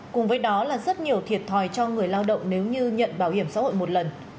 cùng với đó là rất nhiều thiệt thòi cho người lao động nếu như nhận bảo hiểm xã hội một lần